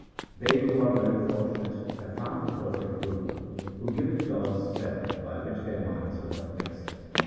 They who are very fortunate, have found the perfect Guru who giveth God's spell by which their minds become fixed.